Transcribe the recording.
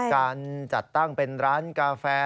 การจัดตั้งเป็นร้านกาแฟ